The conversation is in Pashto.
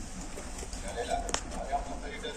یو مي ژبي ته حیران دی بل مي زړه په غشیو ولي